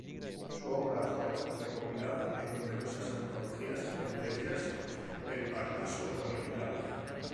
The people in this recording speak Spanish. Su obra fue recopilada en numerosas antologías entre ellas "El Parnaso Oriental".